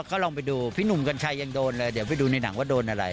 ก็ลองไปดูพี่หนุ่มกัญชัยยังโดนเลยเดี๋ยวไปดูในหนังว่าโดนอะไร